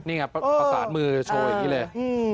นี่ไงประสานมือโชว์อย่างนี้เลย